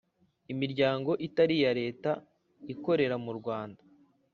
Imiryango itari iya Leta ikorera mu Rwanda